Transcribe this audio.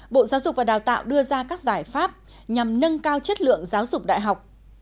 bộ giáo dục và đào tạo đưa ra các giải pháp nhằm nâng cao chất lượng giáo dục đại học